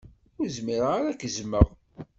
Ur zmireɣ ad k-zzmeɣ.